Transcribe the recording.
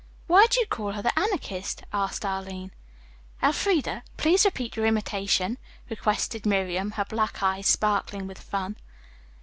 "Why do you call her the Anarchist?" asked Arline. "Elfreda, please repeat your imitation," requested Miriam, her black eyes sparkling with fun.